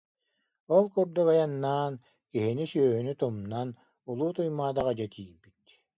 Ол курдук айаннаан, киһини-сүөһүнү тумнан, Улуу Туймаадаҕа дьэ тиийбит